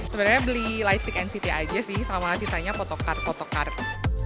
sebenarnya beli lightstick nct aja sih sama sisanya fotokar photocart